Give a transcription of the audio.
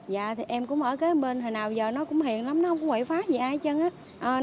dạ thì em cũng ở kế bên hồi nào giờ nó cũng hiện lắm nó cũng không quậy phá gì ai hết trơn á